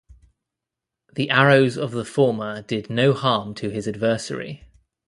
The arrows of the former did no harm to his adversary.